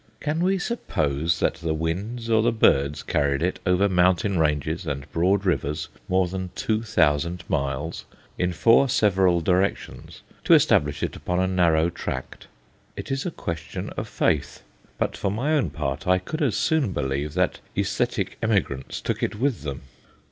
Can we suppose that the winds or the birds carried it over mountain ranges and broad rivers more than two thousand miles, in four several directions, to establish it upon a narrow tract? It is a question of faith; but, for my own part, I could as soon believe that æsthetic emigrants took it with them.